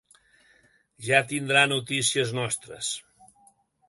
Ja tindrà notícies nostres.